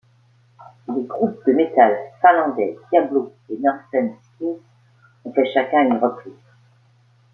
Les groupes de metal finlandais Diablo et Northern Kings en font chacun une reprise.